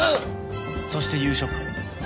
そして夕食